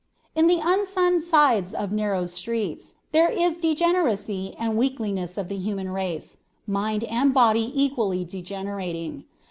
"In the unsunned sides of narrow streets, there is degeneracy and weakliness of the human race, mind and body equally degenerating."